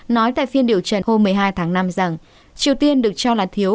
nói tại phiên điều trần hôm một mươi hai tháng năm rằng triều tiên được cho là thiếu